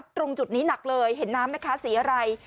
ตรงจุดนี้หนักเลยเห็นน้ำไหมคะสีอะไร